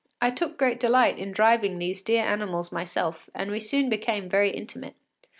” I took great delight in driving these dear animals myself, and we soon became very intimate.